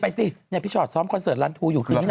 สิพี่ชอตซ้อมคอนเสิร์ตร้านทูอยู่คืนนี้นะ